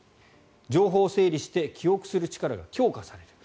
情報を整理して記憶する力が強化される。